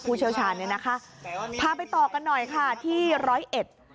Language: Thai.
เชี่ยวชาญเนี่ยนะคะพาไปต่อกันหน่อยค่ะที่ร้อยเอ็ด